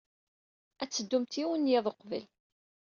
Ad teddumt yiwen n yiḍ uqbel.